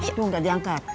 itu gak diangkat